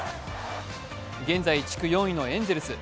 現在地区４位のエンゼルス。